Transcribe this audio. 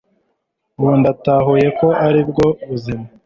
ubu ndatahuye ko aribwo buzima